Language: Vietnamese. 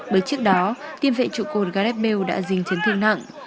bởi trước đó tiền vệ trụ cột gareth bale đã dính chấn thương nặng